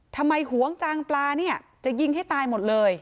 ทำไมหวังจางปลาจะยิงให้ตายหมดเลย